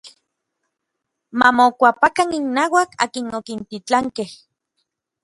Ma mokuapakan innauak akin okintitlankej.